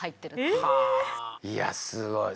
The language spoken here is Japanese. はあいやすごい。